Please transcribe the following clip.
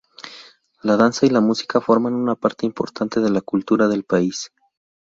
La danza y la música forman una parte importante de la cultura del país.